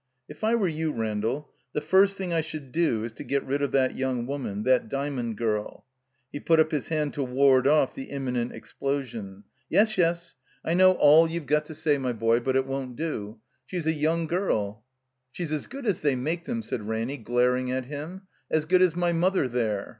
"If I were you, Randall, the first thing I should do is to get rid of that young woman — ^that Dymond girl —" He put up his hand to ward off the im minent explosion. "Yes, yes, I know ali you've got THE COMBINED MAZE to say, my boy, but it won't do. She's a yoting girl—" ''She's as good as they make them," said Ramiy, glaring at him, "as good as my mother there."